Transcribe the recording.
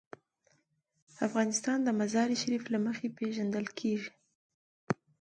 افغانستان د مزارشریف له مخې پېژندل کېږي.